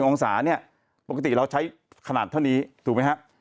องศาเนี่ยปกติเราใช้ขนาดเท่านี้ถูกไหมฮะ